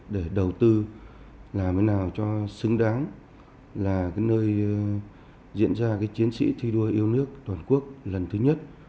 để đầu tư làm thế nào cho xứng đáng là nơi diễn ra chiến sĩ thi đua yêu nước toàn quốc lần thứ nhất